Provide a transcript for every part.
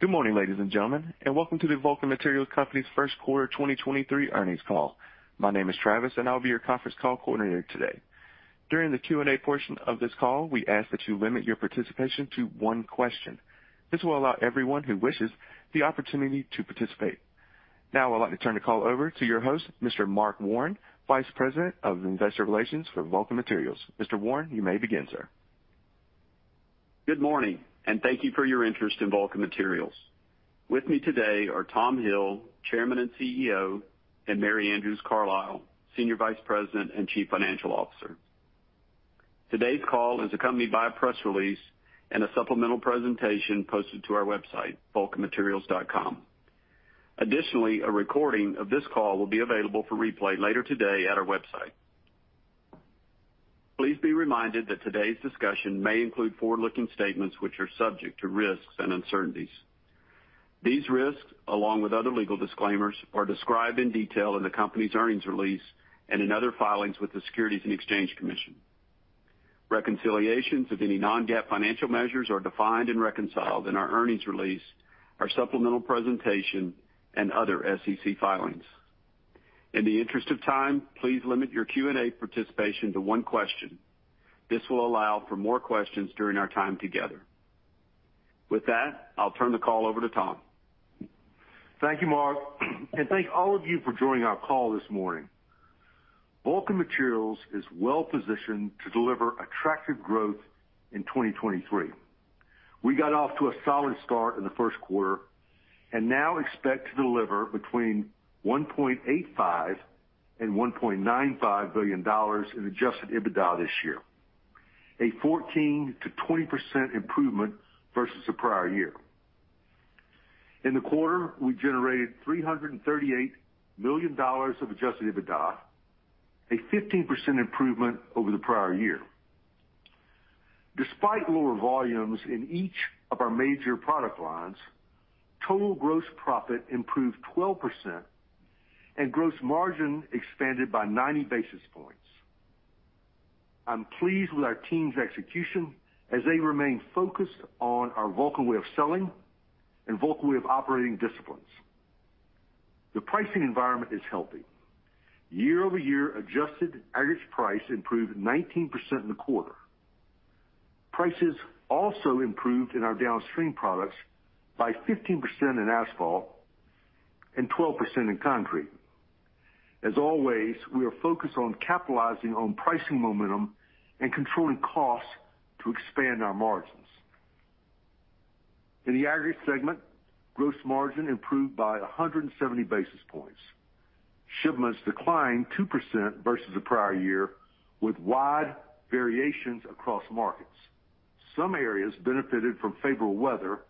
Good morning, ladies and gentlemen, welcome to the Vulcan Materials Company's first quarter 2023 earnings call. My name is Travis, I'll be your conference call coordinator today. During the Q&A portion of this call, we ask that you limit your participation to one question. This will allow everyone who wishes the opportunity to participate. I'd like to turn the call over to your host, Mr. Mark Warren, Vice President of Investor Relations for Vulcan Materials. Mr. Warren, you may begin, sir. Good morning. Thank you for your interest in Vulcan Materials. With me today are Tom Hill, Chairman and CEO, and Mary Andrews Carlisle, Senior Vice President and Chief Financial Officer. Today's call is accompanied by a press release and a supplemental presentation posted to our website, vulcanmaterials.com. Additionally, a recording of this call will be available for replay later today at our website. Please be reminded that today's discussion may include forward-looking statements which are subject to risks and uncertainties. These risks, along with other legal disclaimers, are described in detail in the company's earnings release and in other filings with the Securities and Exchange Commission. Reconciliations of any non-GAAP financial measures are defined and reconciled in our earnings release, our supplemental presentation, and other SEC filings. In the interest of time, please limit your Q&A participation to one question. This will allow for more questions during our time together. With that, I'll turn the call over to Tom. Thank you, Mark, and thank all of you for joining our call this morning. Vulcan Materials is well-positioned to deliver attractive growth in 2023. We got off to a solid start in the first quarter and now expect to deliver between $1.85 billion-$1.95 billion in Adjusted EBITDA this year, a 14%-20% improvement versus the prior year. In the quarter, we generated $338 million of Adjusted EBITDA, a 15% improvement over the prior year. Despite lower volumes in each of our major product lines, total gross profit improved 12% and gross margin expanded by 90 basis points. I'm pleased with our team's execution as they remain focused on our Vulcan Way of Selling and Vulcan Way of Operating disciplines. The pricing environment is healthy. Year-over-year adjusted aggregate price improved 19% in the quarter. Prices also improved in our downstream products by 15% in asphalt and 12% in concrete. As always, we are focused on capitalizing on pricing momentum and controlling costs to expand our margins. In the aggregate segment, gross margin improved by 170 basis points. Shipments declined 2% versus the prior year with wide variations across markets. Some areas benefited from favorable weather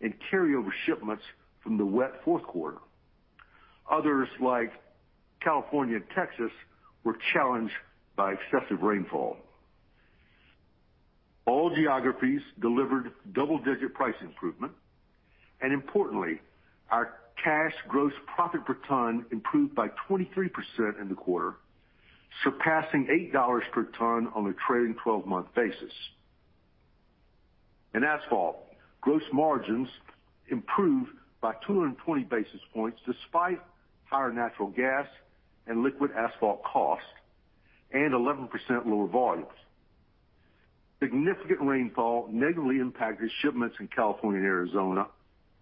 and carryover shipments from the wet fourth quarter. Others, like California and Texas, were challenged by excessive rainfall. All geographies delivered double-digit price improvement, and importantly, our cash gross profit per ton improved by 23% in the quarter, surpassing $8 per ton on a trailing 12-month basis. In asphalt, gross margins improved by 220 basis points despite higher natural gas and liquid asphalt costs and 11% lower volumes. Significant rainfall negatively impacted shipments in California and Arizona,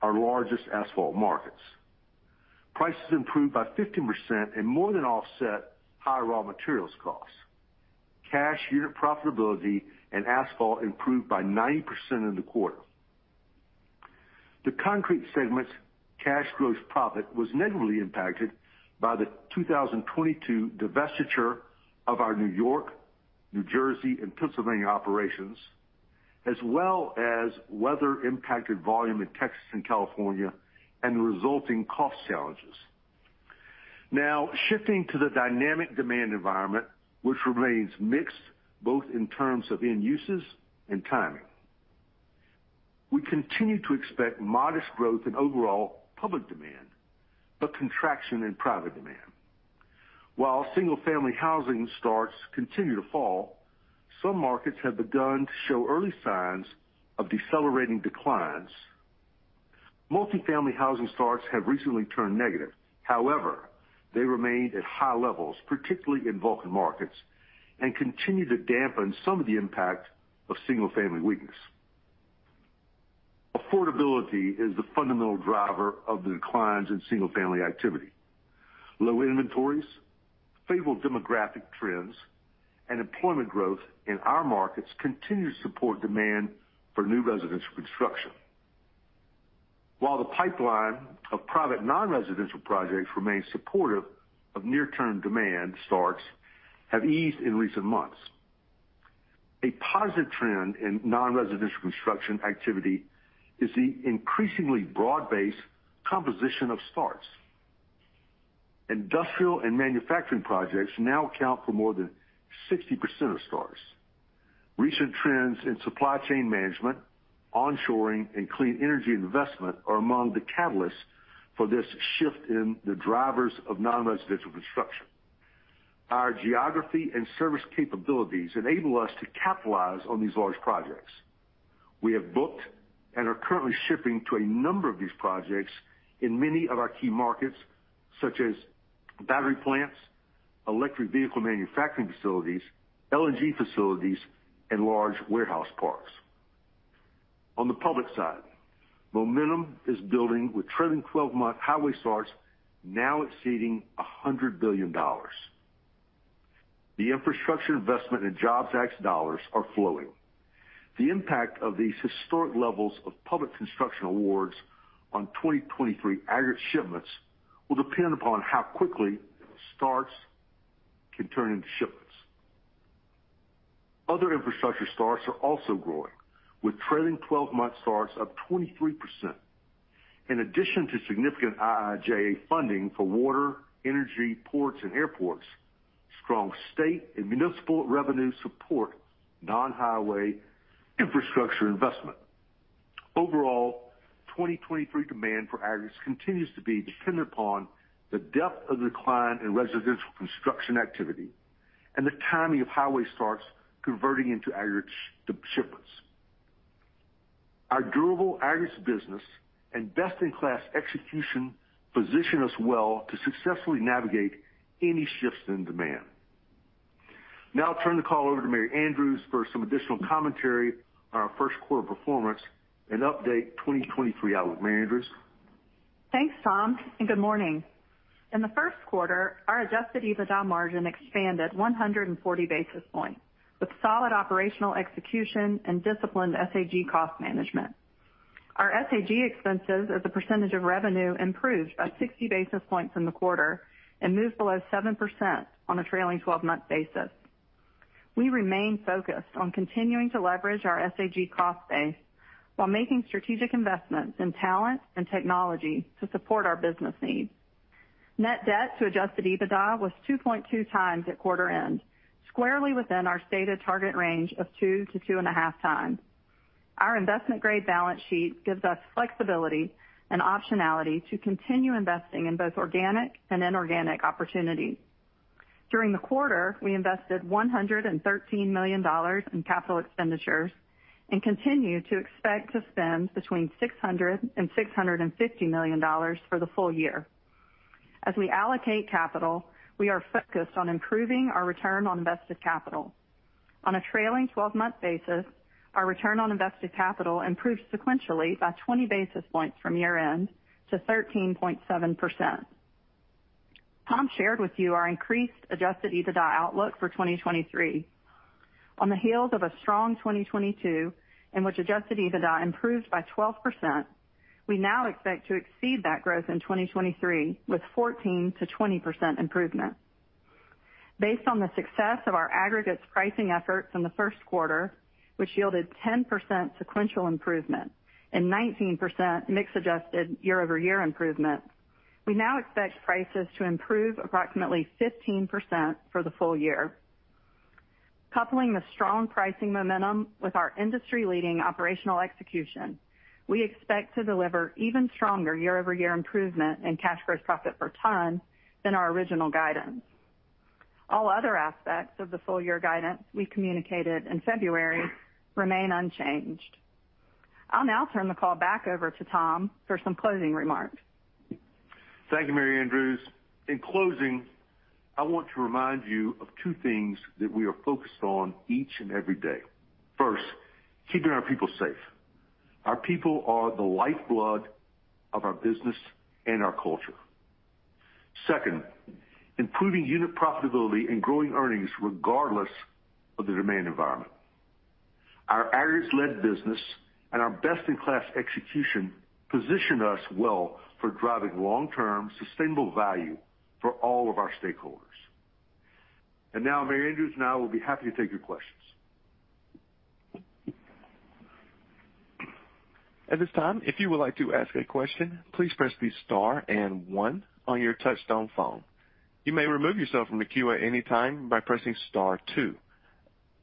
our largest asphalt markets. Prices improved by 15% and more than offset higher raw materials costs. Cash unit profitability in asphalt improved by 9% in the quarter. The concrete segment's cash gross profit was negatively impacted by the 2022 divestiture of our New York, New Jersey, and Pennsylvania operations, as well as weather impacted volume in Texas and California and resulting cost challenges. Shifting to the dynamic demand environment, which remains mixed both in terms of end uses and timing. We continue to expect modest growth in overall public demand, but contraction in private demand. While single-family housing starts continue to fall, some markets have begun to show early signs of decelerating declines. Multifamily housing starts have recently turned negative. However, they remained at high levels, particularly in Vulcan markets, and continue to dampen some of the impact of single-family weakness. Affordability is the fundamental driver of the declines in single-family activity. Low inventories, favorable demographic trends, and employment growth in our markets continue to support demand for new residential construction. While the pipeline of private non-residential projects remains supportive of near-term demand, starts have eased in recent months. A positive trend in non-residential construction activity is the increasingly broad-based composition of starts. Industrial and manufacturing projects now account for more than 60% of starts. Recent trends in supply chain management, onshoring, and clean energy investment are among the catalysts for this shift in the drivers of non-residential construction. Our geography and service capabilities enable us to capitalize on these large projects. We have booked and are currently shipping to a number of these projects in many of our key markets, such as battery plants, electric vehicle manufacturing facilities, LNG facilities, and large warehouse parks. On the public side, momentum is building with trailing 12-month highway starts now exceeding $100 billion. The Infrastructure Investment and Jobs Act dollars are flowing. The impact of these historic levels of public construction awards on 2023 aggregate shipments will depend upon how quickly starts can turn into shipments. Other infrastructure starts are also growing, with trailing 12-month starts up 23%. In addition to significant IIJA funding for water, energy, ports, and airports, strong state and municipal revenues support non-highway infrastructure investment. Overall, 2023 demand for aggregates continues to be dependent upon the depth of the decline in residential construction activity and the timing of highway starts converting into aggregate shipments. Our durable aggregates business and best-in-class execution position us well to successfully navigate any shifts in demand. Now I'll turn the call over to Mary Andrews for some additional commentary on our first quarter performance and update 2023 outlook. Mary Andrews? Thanks, Tom. Good morning. In the first quarter, our Adjusted EBITDA margin expanded 140 basis points with solid operational execution and disciplined SAG cost management. Our SAG expenses as a percentage of revenue improved by 60 basis points in the quarter and moved below 7% on a trailing 12-month basis. We remain focused on continuing to leverage our SAG cost base while making strategic investments in talent and technology to support our business needs. Net debt to Adjusted EBITDA was 2.2x at quarter end, squarely within our stated target range of 2x to 2.5x. Our investment-grade balance sheet gives us flexibility and optionality to continue investing in both organic and inorganic opportunities. During the quarter, we invested $113 million in capital expenditures and continue to expect to spend between $600 million-$650 million for the full year. As we allocate capital, we are focused on improving our return on invested capital. On a trailing 12-month basis, our return on invested capital improved sequentially by 20 basis points from year-end to 13.7%. Tom shared with you our increased Adjusted EBITDA outlook for 2023. On the heels of a strong 2022, in which Adjusted EBITDA improved by 12%, we now expect to exceed that growth in 2023, with 14%-20% improvement. Based on the success of our aggregates pricing efforts in the first quarter, which yielded 10% sequential improvement and 19% mix adjusted year-over-year improvement, we now expect prices to improve approximately 15% for the full year. Coupling the strong pricing momentum with our industry-leading operational execution, we expect to deliver even stronger year-over-year improvement in cash gross profit per ton than our original guidance. All other aspects of the full year guidance we communicated in February remain unchanged. I'll now turn the call back over to Tom for some closing remarks. Thank you, Mary Andrews. In closing, I want to remind you of two things that we are focused on each and every day. First, keeping our people safe. Our people are the lifeblood of our business and our culture. Second, improving unit profitability and growing earnings regardless of the demand environment. Our aggregates-led business and our best-in-class execution position us well for driving long-term sustainable value for all of our stakeholders. Now, Mary Andrews, now we'll be happy to take your questions. At this time, if you would like to ask a question, please press the star and one on your touchtone phone. You may remove yourself from the queue at any time by pressing star two.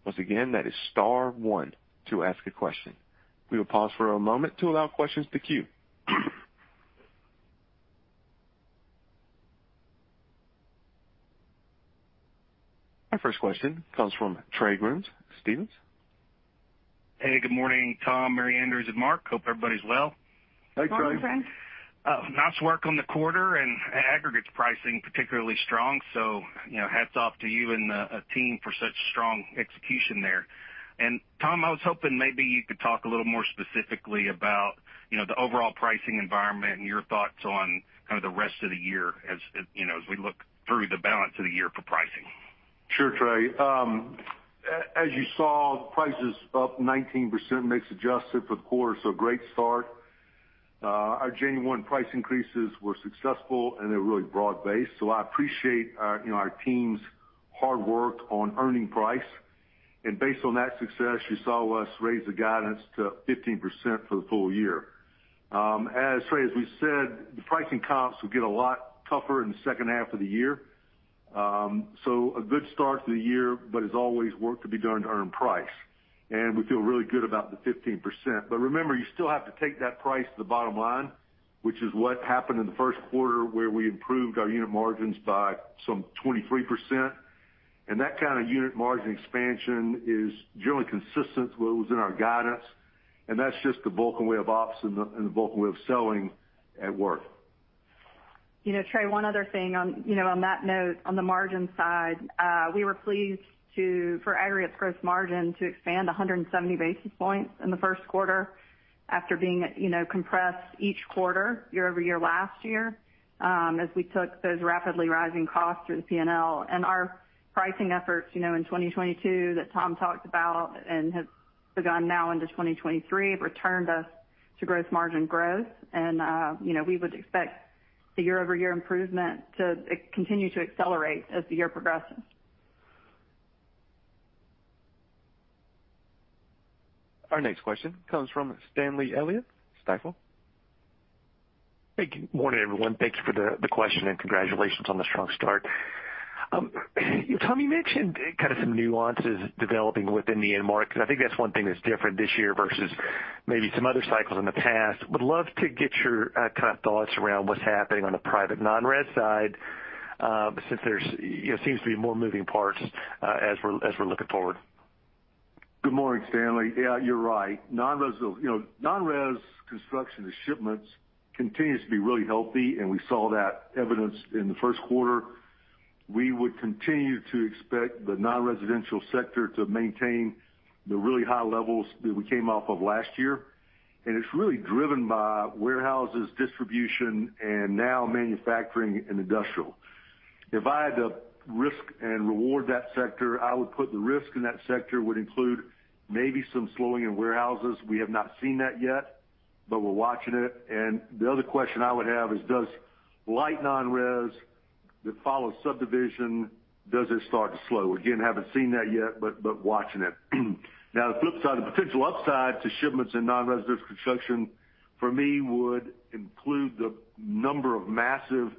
Once again, that is star one to ask a question. We will pause for a moment to allow questions to queue. Our first question comes from Trey Grooms, Stephens. Hey, good morning, Tom, Mary Andrews, and Mark. Hope everybody's well. Hey, Trey. Good morning, Trey. Nice work on the quarter and aggregates pricing particularly strong, so, you know, hats off to you and the team for such strong execution there. Tom, I was hoping maybe you could talk a little more specifically about, you know, the overall pricing environment and your thoughts on kind of the rest of the year as, you know, as we look through the balance of the year for pricing. Sure, Trey. As you saw, prices up 19% mix adjusted for the quarter. Great start. Our January 1 price increases were successful, and they're really broad-based. I appreciate our, you know, our team's hard work on earning price. Based on that success, you saw us raise the guidance to 15% for the full year. Trey, as we said, the pricing comps will get a lot tougher in the second half of the year. A good start to the year, but as always, work to be done to earn price. We feel really good about the 15%. Remember, you still have to take that price to the bottom line, which is what happened in the first quarter, where we improved our unit margins by some 23%. That kind of unit margin expansion is generally consistent with what was in our guidance, and that's just the Vulcan Way of Operating and the Vulcan Way of Selling at work. You know, Trey, one other thing on, you know, on that note, on the margin side. We were pleased for aggregates gross margin to expand 170 basis points in the first quarter after being, you know, compressed each quarter year-over-year last year, as we took those rapidly rising costs through the P&L. Our pricing efforts, you know, in 2022 that Tom talked about and have begun now into 2023, have returned us to gross margin growth. You know, we would expect the year-over-year improvement to continue to accelerate as the year progresses. Our next question comes from Stanley Elliott, Stifel. Hey, good morning, everyone. Thanks for the question and congratulations on the strong start. Tom, you mentioned kind of some nuances developing within the end market. I think that's one thing that's different this year versus maybe some other cycles in the past. Would love to get your kind of thoughts around what's happening on the private non-res side, since there's, you know, seems to be more moving parts as we're looking forward. Good morning, Stanley. Yeah, you're right. Non-res, you know, non-res construction to shipments continues to be really healthy, and we saw that evidenced in the first quarter. We would continue to expect the non-residential sector to maintain the really high levels that we came off of last year. It's really driven by warehouses, distribution, and now manufacturing and industrial. If I had to risk and reward that sector, I would put the risk in that sector would include maybe some slowing in warehouses. We have not seen that yet, but we're watching it. The other question I would have is does light non-res that follows subdivision, does it start to slow? Again, haven't seen that yet, but watching it. Now, the flip side, the potential upside to shipments and non-residential construction for me would include the number of massive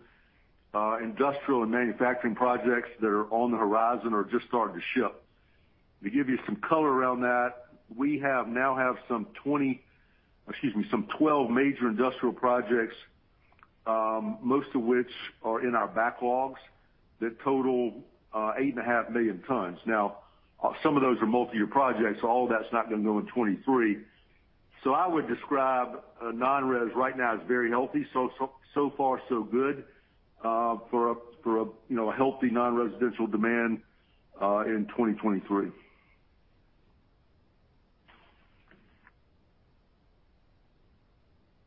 industrial and manufacturing projects that are on the horizon or just starting to ship. To give you some color around that, we have now have some 12 major industrial projects, most of which are in our backlogs that total 8.5 million tons. Now, some of those are multi-year projects, so all of that's not going to go in 23. I would describe non-res right now as very healthy. So far so good, for a, you know, a healthy non-residential demand in 2023.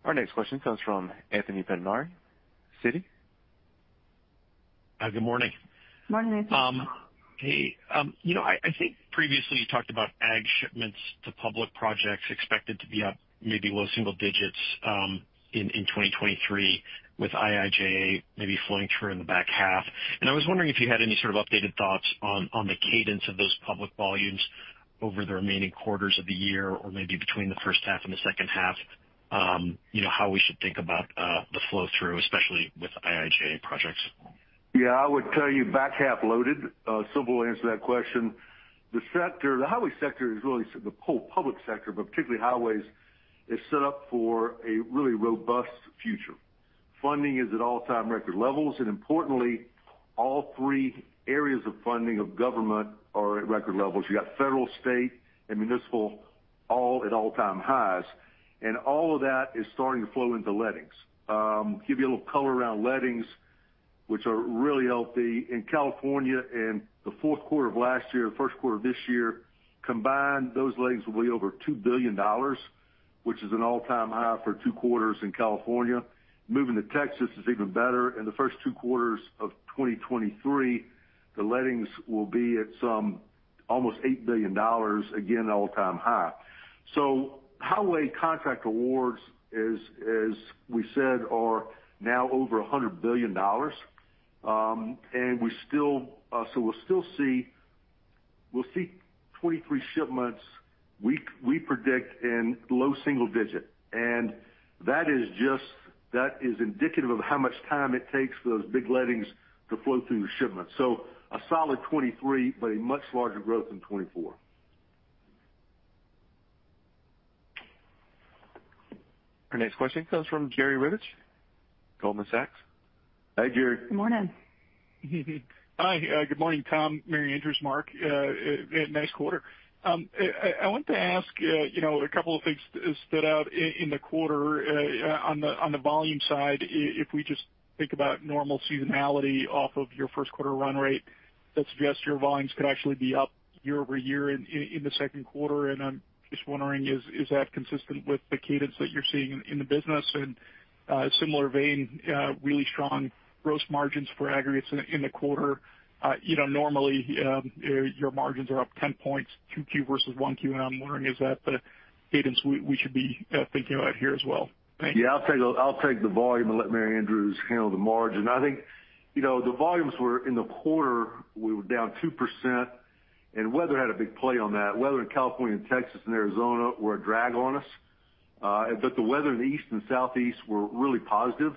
Our next question comes from Anthony Pettinari, Citi. Hi, good morning. Morning, Anthony. Hey, you know, I think previously you talked about ag shipments to public projects expected to be up maybe low single digits in 2023 with IIJA maybe flowing through in the back half. I was wondering if you had any sort of updated thoughts on the cadence of those public volumes over the remaining quarters of the year or maybe between the first half and the second half, you know, how we should think about the flow through, especially with IIJA projects. Yeah, I would tell you back half loaded. Simple answer to that question. The highway sector is really the whole public sector, but particularly highways is set up for a really robust future. Funding is at all-time record levels. Importantly, all three areas of funding of government are at record levels. You got federal, state, and municipal all at all-time highs. All of that is starting to flow into lettings. Give you a little color around lettings, which are really healthy. In California in the fourth quarter of last year, first quarter of this year, combined, those lettings will be over $2 billion, which is an all-time high for two quarters in California. Moving to Texas is even better. In the first two quarters of 2023, the lettings will be at some almost $8 billion, again, all-time high. Highway contract awards, as we said, are now over $100 billion. We still see 23 shipments we predict in low single-digit. That is indicative of how much time it takes for those big lettings to flow through to shipments. A solid 2023, but a much larger growth in 2024. Our next question comes from Jerry Revich, Goldman Sachs. Hi, Jerry. Good morning. Hi. Good morning, Tom, Mary Andrews, Mark. Nice quarter. I want to ask, you know, a couple of things stood out in the quarter, on the volume side. If we just think about normal seasonality off of your first quarter run rate, that suggests your volumes could actually be up year-over-year in the second quarter. I'm just wondering, is that consistent with the cadence that you're seeing in the business? Similar vein, really strong gross margins for aggregates in the quarter. You know, normally, your margins are up 10 points 2Q versus 1Q, I'm wondering is that the cadence we should be thinking about here as well. Thank you. Yeah. I'll take the, I'll take the volume and let Mary Andrews handle the margin. I think, you know, the volumes were in the quarter, we were down 2% and weather had a big play on that. Weather in California and Texas and Arizona were a drag on us. The weather in the East and Southeast were really positive.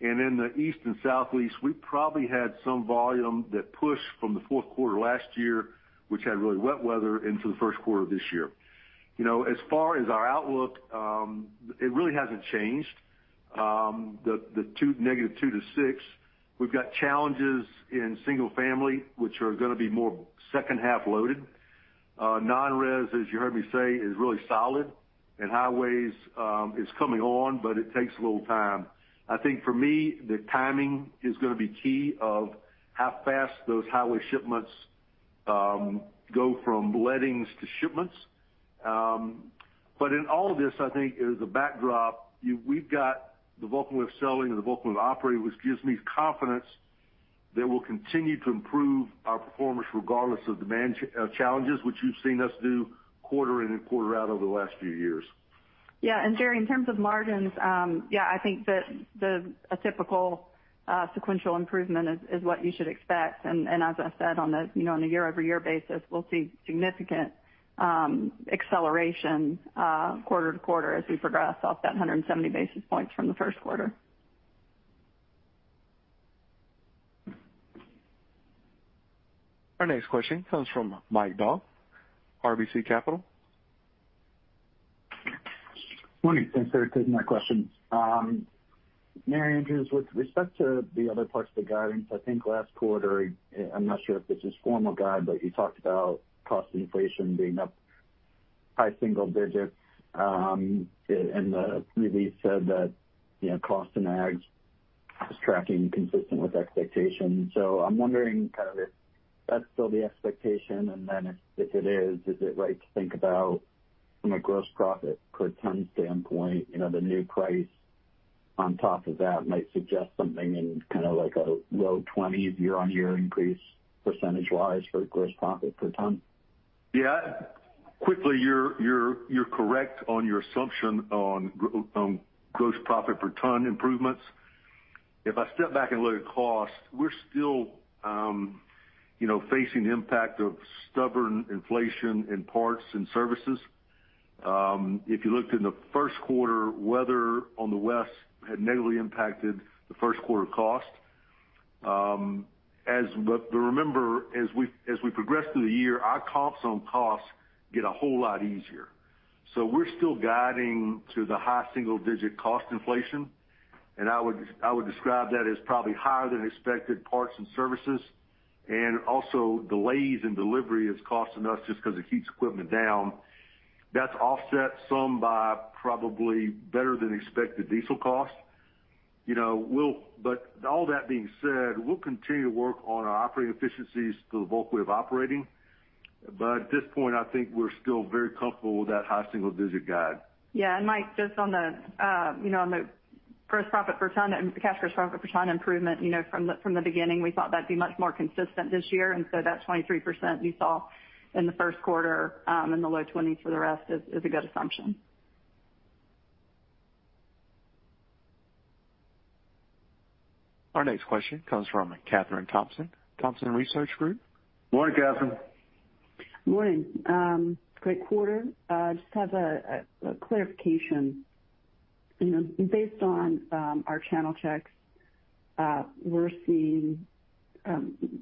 In the East and Southeast, we probably had some volume that pushed from the fourth quarter last year, which had really wet weather into the first quarter of this year. You know, as far as our outlook, it really hasn't changed, the negative 2%-6%. We've got challenges in single family, which are gonna be more second-half loaded. Non-res, as you heard me say, is really solid. Highways, is coming on, but it takes a little time. I think for me, the timing is gonna be key of how fast those highway shipments, go from lettings to shipments. In all this, I think as a backdrop, we've got the Vulcan Way of Selling and the Vulcan Way of Operating, which gives me confidence that we'll continue to improve our performance regardless of demand challenges which you've seen us do quarter in and quarter out over the last few years. Yeah. Jerry, in terms of margins, yeah, I think that a typical sequential improvement is what you should expect. As I said on the, you know, on a year-over-year basis, we'll see significant acceleration quarter to quarter as we progress off that 170 basis points from the first quarter. Our next question comes from Mike Dahl, RBC Capital. Morning. Thanks for taking my questions. Mary Andrews, with respect to the other parts of the guidance, I think last quarter, I'm not sure if it's this formal guide, but you talked about cost inflation being up high single digits, and the release said that, you know, cost in ag is tracking consistent with expectations. I'm wondering kind of if that's still the expectation. If it is it right to think about from a gross profit per ton standpoint, you know, the new price on top of that might suggest something in kind of like a low 20s year-on-year increase percentage wise for gross profit per ton? Yeah. Quickly, you're correct on your assumption on gross profit per ton improvements. If I step back and look at cost, we're still, you know, facing the impact of stubborn inflation in parts and services. If you looked in the first quarter, weather on the West had negatively impacted the first quarter cost. Remember, as we progress through the year, our comps on costs get a whole lot easier. We're still guiding to the high single-digit cost inflation, and I would describe that as probably higher than expected parts and services. Also delays in delivery is costing us just because it keeps equipment down. That's offset some by probably better than expected diesel costs. You know, all that being said, we'll continue to work on our operating efficiencies through the Vulcan Way of Operating. At this point, I think we're still very comfortable with that high single digit guide. Yeah. Mike, just on the, you know, on the gross profit per ton and cash gross profit per ton improvement, you know, from the, from the beginning, we thought that'd be much more consistent this year. So that 23% you saw in the first quarter, and the low 20s for the rest is a good assumption. Our next question comes from Kathryn Thompson, Thompson Research Group. Morning, Katherine. Morning. Great quarter. Just have a clarification. You know, based on our channel checks, we're seeing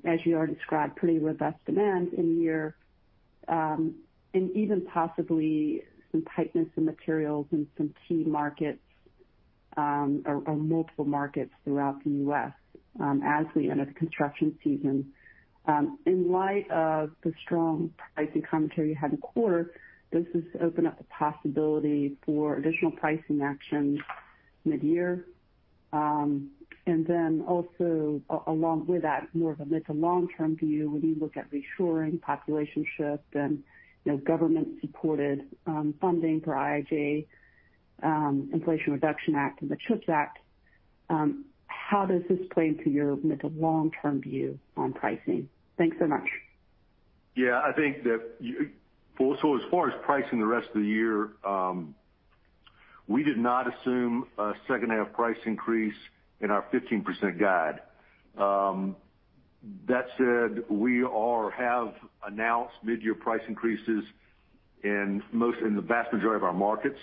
as you already described, pretty robust demand in your and even possibly some tightness in materials in some key markets, or multiple markets throughout the U.S., as we enter the construction season. In light of the strong pricing commentary you had in quarter, does this open up the possibility for additional pricing actions mid-year? Also along with that, more of a mid- to long-term view when you look at reshoring population shift and, you know, government supported funding for IIJA, Inflation Reduction Act and the CHIPS Act, how does this play into your mid- to long-term view on pricing? Thanks so much. Yeah. I think that you Well, so as far as pricing the rest of the year, we did not assume a second half price increase in our 15% guide. That said, we have announced mid-year price increases in the vast majority of our markets.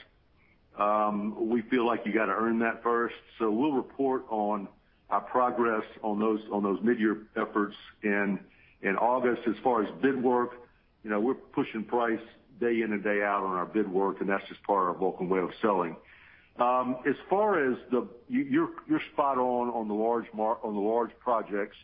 We feel like you got to earn that first. We'll report on our progress on those mid-year efforts in August. As far as bid work, you know, we're pushing price day in and day out on our bid work, that's just part of our Vulcan Way of Selling. As far as the you're spot on the large projects,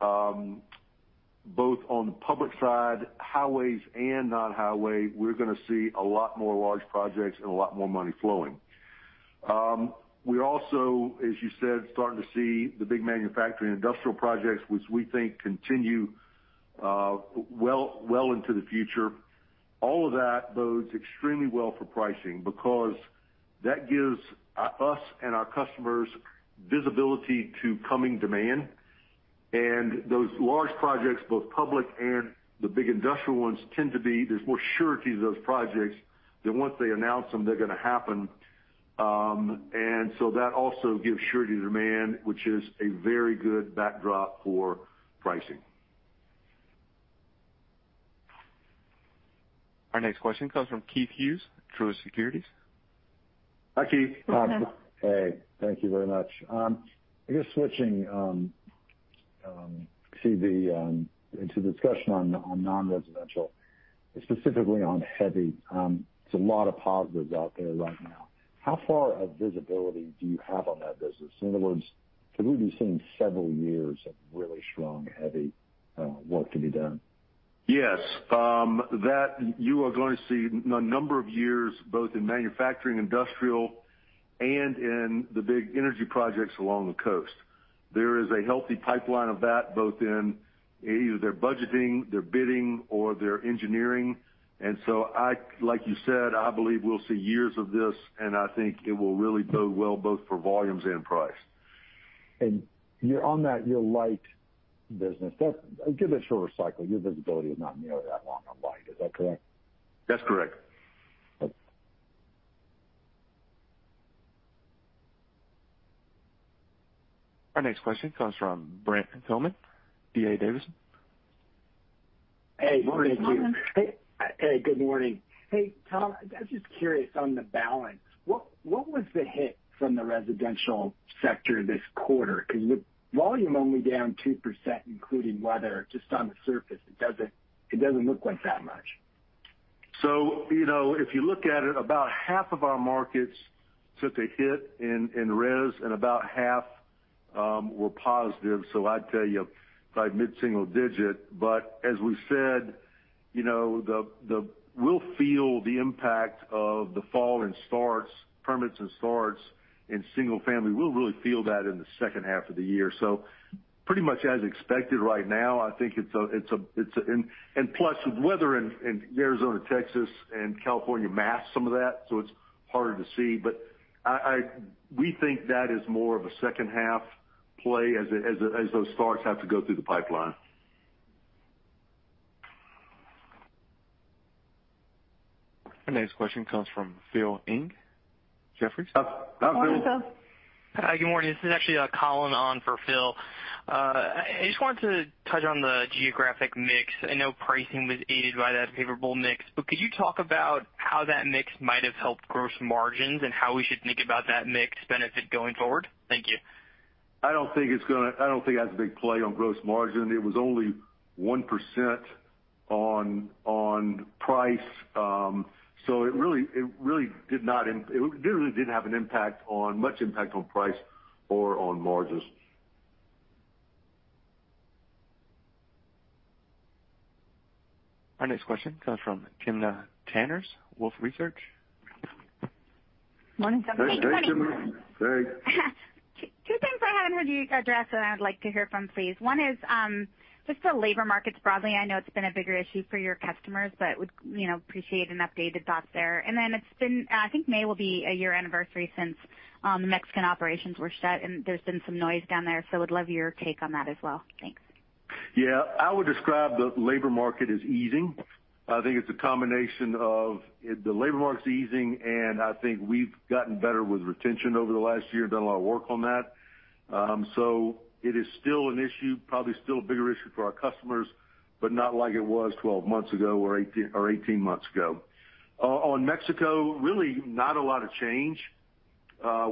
both on the public side, highways and non-highway, we're gonna see a lot more large projects and a lot more money flowing. We're also, as you said, starting to see the big manufacturing industrial projects which we think continue well into the future. All of that bodes extremely well for pricing because that gives us and our customers visibility to coming demand. Those large projects, both public and the big industrial ones, tend to be there's more surety to those projects that once they announce them, they're gonna happen. That also gives surety to demand, which is a very good backdrop for pricing. Our next question comes from Keith Hughes, Truist Securities. Hi, Keith. Hi. Hey, thank you very much. I guess switching to the into the discussion on on non-residential, specifically on heavy, there's a lot of positives out there right now. How far a visibility do you have on that business? In other words, could we be seeing several years of really strong, heavy, work to be done? Yes. That you are gonna see a number of years, both in manufacturing, industrial, and in the big energy projects along the coast. There is a healthy pipeline of that, both in either their budgeting, their bidding, or their engineering. Like you said, I believe we'll see years of this, and I think it will really bode well both for volumes and price. On that, your light business, that give a shorter cycle. Your visibility is not nearly that long on light. Is that correct? That's correct. Okay. Our next question comes from Brent Thielman, D.A. Davidson. Hey, good morning. Morning. Hey, good morning. Hey, Tom, I was just curious on the balance. What was the hit from the residential sector this quarter? With volume only down 2%, including weather, just on the surface, it doesn't look like that much. You know, if you look at it, about half of our markets took a hit in res, and about half were positive. I'd tell you probably mid-single digit. As we said, you know, we'll feel the impact of the fall in starts, permits and starts in single family. We'll really feel that in the second half of the year. Pretty much as expected right now, I think it's a, it's a, it's a. Plus with weather in Arizona, Texas and California masked some of that, so it's harder to see. We think that is more of a second-half play as those starts have to go through the pipeline. Our next question comes from Philip Ng, Jefferies. Hi, Phil. Morning, Phil. Hi, good morning. This is actually, Colin on for Phil. I just wanted to touch on the geographic mix. I know pricing was aided by that favorable mix, but could you talk about how that mix might have helped gross margins and how we should think about that mix benefit going forward? Thank you. I don't think that's a big play on gross margin. It was only 1% on price. It really didn't have much impact on price or on margins. Our next question comes from Timna Tanners, Wolfe Research. Morning, Timna. Hey, Timna. Hey. Two things I haven't heard you address that I'd like to hear from, please. One is, just the labor markets broadly. I know it's been a bigger issue for your customers, but would, you know, appreciate an updated thought there. It's been, I think May will be a year anniversary since, the Mexican operations were shut, and there's been some noise down there, so would love your take on that as well. Thanks. Yeah. I would describe the labor market as easing. I think it's a combination of the labor market's easing, and I think we've gotten better with retention over the last year, done a lot of work on that. It is still an issue, probably still a bigger issue for our customers, but not like it was 12 months ago or 18 months ago. On Mexico, really not a lot of change.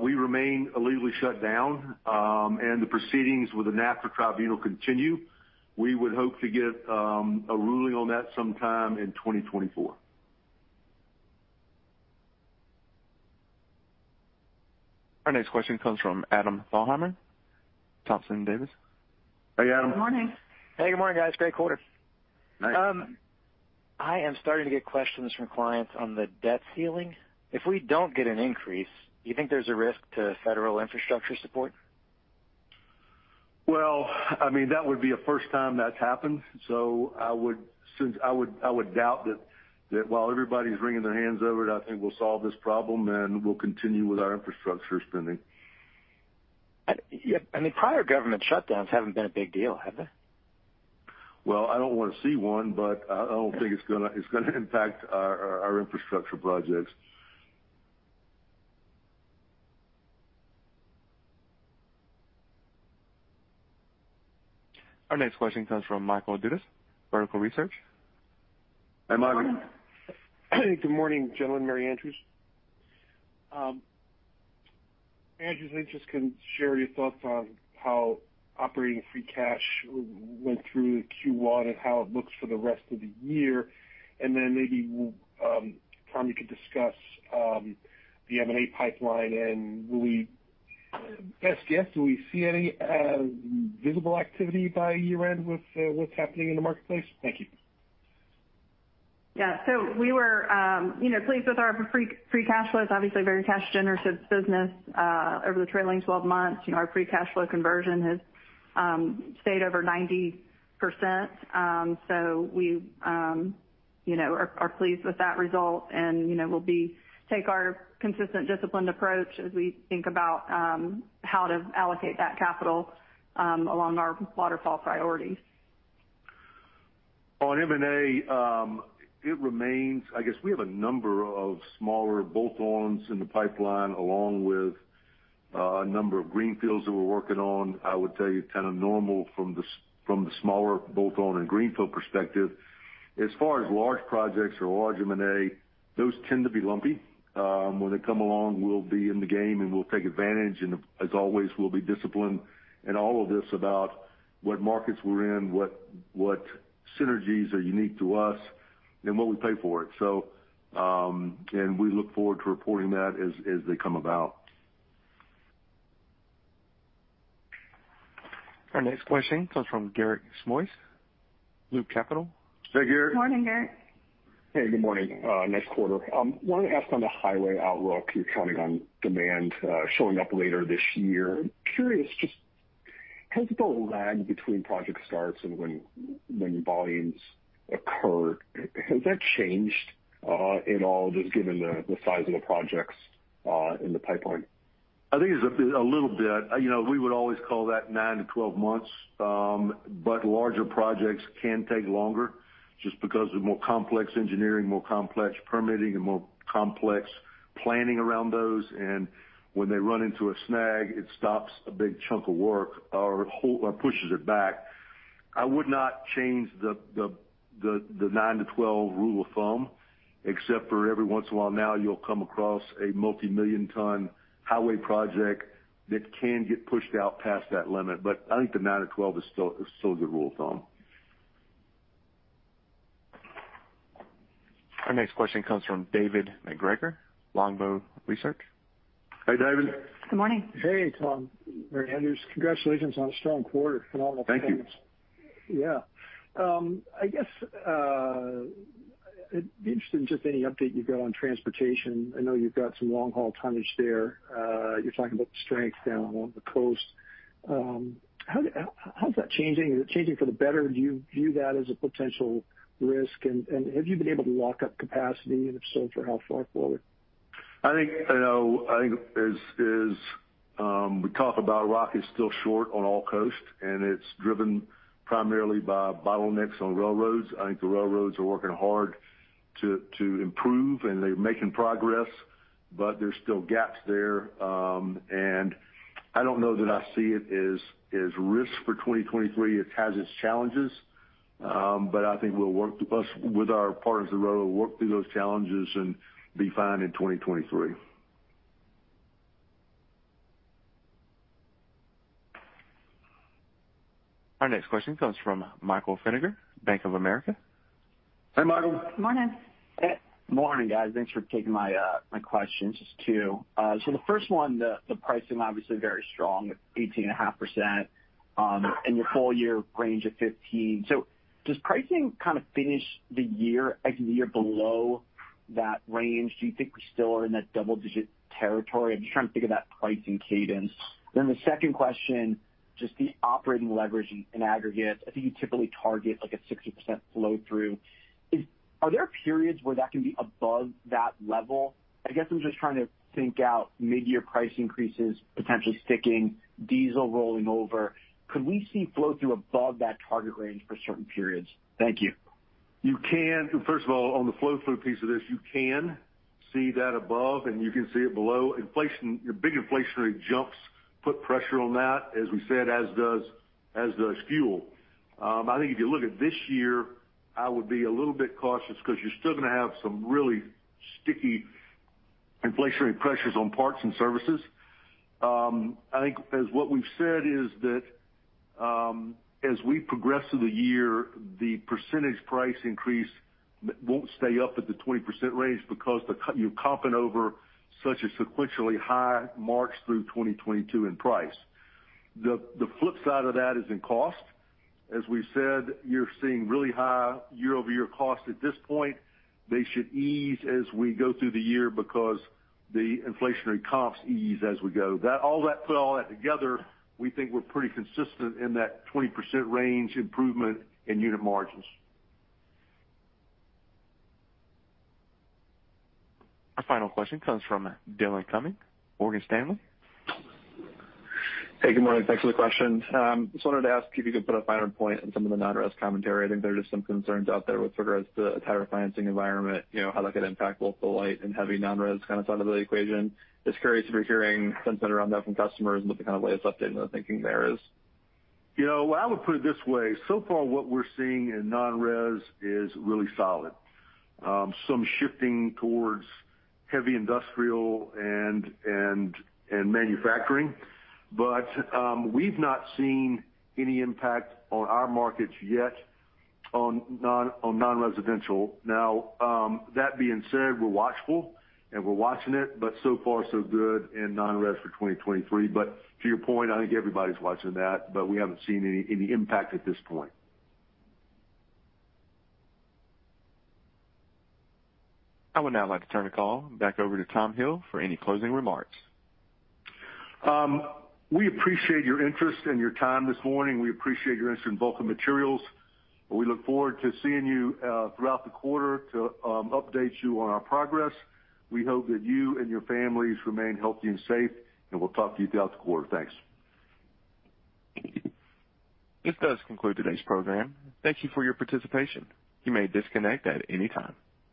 We remain illegally shut down, and the proceedings with the NAFTA tribunal continue. We would hope to get a ruling on that sometime in 2024. Our next question comes from Adam Thalhimer, Thompson Davis. Hey, Adam. Good morning. Hey, good morning, guys. Great quarter. Thanks. I am starting to get questions from clients on the debt ceiling. If we don't get an increase, do you think there's a risk to federal infrastructure support? Well, I mean, that would be a first time that's happened. I would doubt that while everybody's wringing their hands over it, I think we'll solve this problem, and we'll continue with our infrastructure spending. Yeah. I mean, prior government shutdowns haven't been a big deal, have they? Well, I don't wanna see one, but I don't think it's gonna impact our infrastructure projects. Our next question comes from Michael Dudas, Vertical Research. Hi, Michael. Good morning. Good morning, gentlemen. Mary Andrews. Mary Andrews, I just can share your thoughts on how operating free cash went through Q1 and how it looks for the rest of the year. Then maybe, Tom, you could discuss the M&A pipeline. Will we best guess, do we see any visible activity by year-end with what's happening in the marketplace? Thank you. We were, you know, pleased with our free cash flow. It's obviously a very cash-generative business. Over the trailing 12 months, you know, our free cash flow conversion has stayed over 90%. We, you know, are pleased with that result. You know, we'll take our consistent disciplined approach as we think about how to allocate that capital along our waterfall priorities. On M&A, it remains, I guess we have a number of smaller bolt-ons in the pipeline along with a number of greenfields that we're working on, I would tell you kind of normal from the smaller, both owned and greenfield perspective. As far as large projects or large M&A, those tend to be lumpy. When they come along, we'll be in the game, and we'll take advantage. As always, we'll be disciplined in all of this about what markets we're in, what synergies are unique to us and what we pay for it. We look forward to reporting that as they come about. Our next question comes from Garik Shmois, Loop Capital. Hey, Garik. Morning, Garik. Hey, good morning. Nice quarter. Wanted to ask on the highway outlook, you're counting on demand showing up later this year. Curious, just has the lag between project starts and when volumes occur, has that changed at all, just given the size of the projects in the pipeline? I think it's a little bit. You know, we would always call that 9 to 12 months. Larger projects can take longer just because of more complex engineering, more complex permitting, and more complex planning around those. When they run into a snag, it stops a big chunk of work or pushes it back. I would not change the nine to 12 rule of thumb, except for every once in a while now you'll come across a multimillion-ton highway project that can get pushed out past that limit. I think the nine to 12 is still a good rule of thumb. Our next question comes from David MacGregor, Longbow Research. Hey, David. Good morning. Hey, Tom, Mary, and Andrews. Congratulations on a strong quarter. Phenomenal performance. Thank you. Yeah. I guess, interested in just any update you've got on transportation. I know you've got some long-haul tonnage there. You're talking about the strength down along the coast. How's that changing? Is it changing for the better? Do you view that as a potential risk? Have you been able to lock up capacity? If so, for how far forward? I think, you know, I think as we talk about rock is still short on all coasts, and it's driven primarily by bottlenecks on railroads. I think the railroads are working hard to improve, they're making progress, but there's still gaps there. I don't know that I see it as risk for 2023. It has its challenges, I think we'll work with our partners at the railroad, work through those challenges and be fine in 2023. Our next question comes from Michael Feniger, Bank of America. Hi, Michael. Morning. Morning, guys. Thanks for taking my questions too. The first one, the pricing obviously very strong at 18.5%, and your full year range of 15%. Does pricing kind of finish the year, exit the year below that range? Do you think we still are in that double-digit territory? I'm just trying to think of that pricing cadence. The second question, just the operating leverage in aggregate. I think you typically target like a 60% flow through. Are there periods where that can be above that level? I guess I'm just trying to think out mid-year price increases, potentially sticking diesel rolling over. Could we see flow through above that target range for certain periods? Thank you. First of all, on the flow through piece of this, you can see that above and you can see it below. Inflation, your big inflationary jumps put pressure on that, as we said, as does fuel. I think if you look at this year, I would be a little bit cautious because you're still going to have some really sticky inflationary pressures on parts and services. I think as what we've said is that, as we progress through the year, the percentage price increase won't stay up at the 20% range because you're comping over such a sequentially high March through 2022 in price. The flip side of that is in cost. As we've said, you're seeing really high year-over-year cost at this point. They should ease as we go through the year because the inflationary comps ease as we go. Put all that together, we think we're pretty consistent in that 20% range improvement in unit margins. Our final question comes from Dillon Cumming, Morgan Stanley. Hey, good morning. Thanks for the question. Just wanted to ask if you could put a finer point in some of the non-res commentary. I think there are just some concerns out there with regards to the entire financing environment, you know, how that could impact both the light and heavy non-res kind of side of the equation. Just curious if you're hearing something around that from customers and what the kind of latest update in the thinking there is. You know, I would put it this way. So far what we're seeing in non-res is really solid. Some shifting towards heavy industrial and manufacturing. We've not seen any impact on our markets yet on non-residential. Now, that being said, we're watchful, and we're watching it, but so far so good in non-res for 2023. To your point, I think everybody's watching that, but we haven't seen any impact at this point. I would now like to turn the call back over to Tom Hill for any closing remarks. We appreciate your interest and your time this morning. We appreciate your interest in Vulcan Materials, and we look forward to seeing you throughout the quarter to update you on our progress. We hope that you and your families remain healthy and safe, and we'll talk to you throughout the quarter. Thanks. This does conclude today's program. Thank you for your participation. You may disconnect at any time.